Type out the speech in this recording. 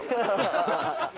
ハハハハ！